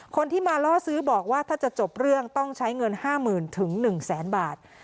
คนที่มาล่อซื้อบอกว่าถ้าจะจบเรื่องต้องใช้เงิน๕๐๐๐๑๐๐๐บาท